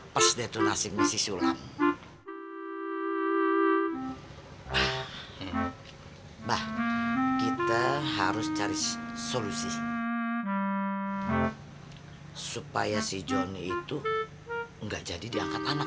persdetonasi misi sulam bah bah kita harus cari solusi supaya si joni itu enggak jadi diangkat anak